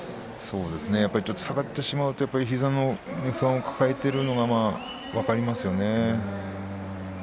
下がってしまうと膝に不安を抱えているのが分かりますよね。